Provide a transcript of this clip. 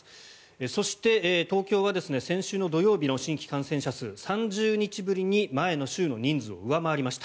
そして、東京は先週の土曜日の新規感染者数、３０日ぶりに前の週の人数を上回りました。